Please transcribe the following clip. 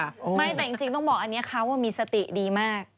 ไม่แต่จริงต้องบอกอันนี้เขามีสติดีมาก